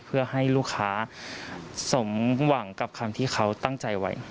เพื่อให้ลูกค้าสมหวังกับคำที่เขาตั้งใจไว้